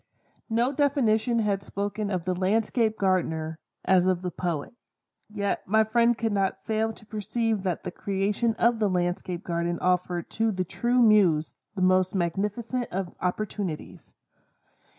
No definition had spoken of the Landscape Gardener, as of the poet; yet my friend could not fail to perceive that the creation of the Landscape Garden offered to the true muse the most magnificent of opportunities.